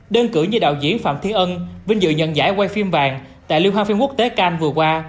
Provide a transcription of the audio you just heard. đơn cử như đạo diễn phạm thiên ân vinh dự nhận giải quay phim vàng tại liêu hoa phim quốc tế cannes vừa qua